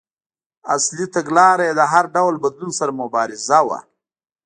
اصلي تګلاره یې د هر ډول بدلون سره مبارزه وه.